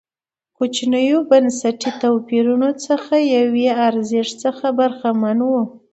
کوچنیو بنسټي توپیرونو څخه یو یې ارزښت څخه برخمن و.